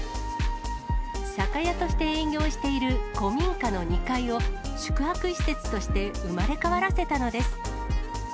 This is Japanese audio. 酒屋として営業している古民家の２階を、宿泊施設として生まれ変わらせたのです。